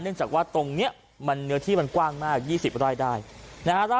เนื่องจากว่าตรงเนี้ยมันเนื้อที่มันกว้างมากยี่สิบร่อยได้นะฮะ